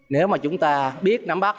nếu mà chúng ta biết nắm bắt